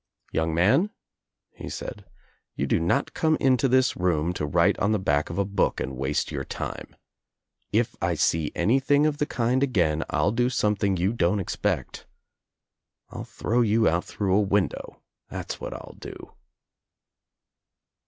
"Young man," he said, " you do not come into this room to write on the back of a book and waste your time. If I sec any thing of the kind again I'll do something you don't expect. I'll throw you out through a window, that's what I'll do."